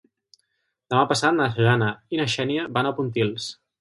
Demà passat na Jana i na Xènia van a Pontils.